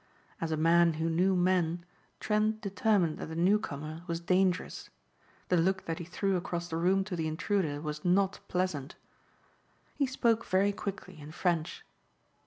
As a man who knew men Trent determined that the newcomer was dangerous. The look that he threw across the room to the intruder was not pleasant. He spoke very quickly in French.